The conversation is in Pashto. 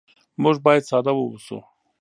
موږ باید ساده واوسو.